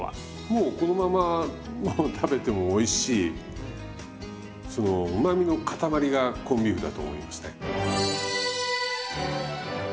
もうこのままもう食べてもおいしいそのうまみのかたまりがコンビーフだと思いますね。